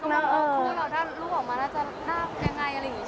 คุยแล้วถ้าลูกออกมาน่าจะน่ากันไงอะไรอย่างนี้ใช่ไหม